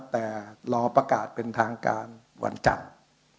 แต่รอประกาศเป็นทางการวันจันทร์